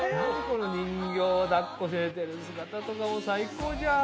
この人形を抱っこして寝てる姿とかも最高じゃん！